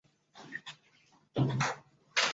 澳洲弹鼠属等之数种哺乳动物。